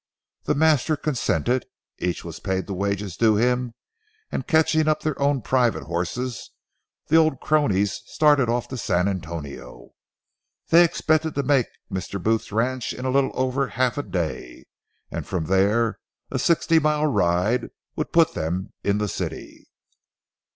The master consented, each was paid the wages due him, and catching up their own private horses, the old cronies started off to San Antonio. They expected to make Mr. Booth's ranch in a little over half a day, and from there a sixty mile ride would put them in the city.